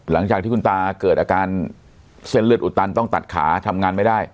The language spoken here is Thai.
หลังจากที่คุณตาเกิดอาการเส้นเลือดอุดตันต้องตัดขาทำงานไม่ได้